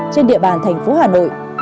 trên địa bàn thành phố hà nội